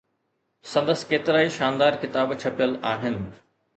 سندس ڪيترائي شاندار ڪتاب ڇپيل آهن.